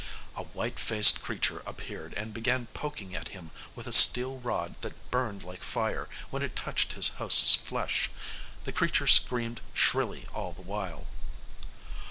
A white faced creature appeared and began poking at him with a steel rod that burned like fire when it touched his host's flesh. The creature screamed shrilly all the while.